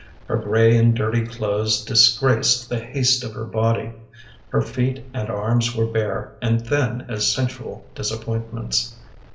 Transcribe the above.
Her gray and dirty clothes Disgraced the haste of her body. Her feet and arms were bare And thin as sensual disappointments.